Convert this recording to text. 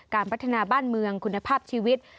การพัฒนาบ้านเมืองคุณภาพชีวิต